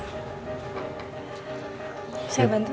bisa gue bantu